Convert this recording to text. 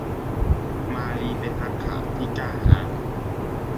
มารีเป็นนักข่าวที่กล้าหาญ